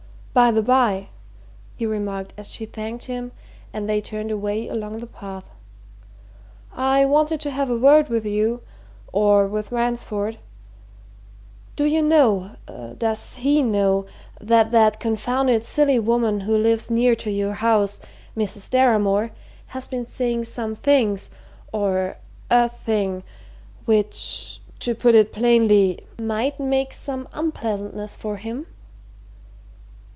"By the by," he remarked as she thanked him and they turned away along the path, "I wanted to have a word with you or with Ransford. Do you know does he know that that confounded silly woman who lives near to your house Mrs. Deramore has been saying some things or a thing which to put it plainly might make some unpleasantness for him?"